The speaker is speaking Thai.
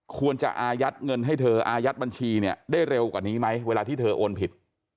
ควรจะอายัดเงินให้เธออายัดบัญชีเนี่ยได้เร็วกว่านี้ไหมเวลาที่เธอโอนผิด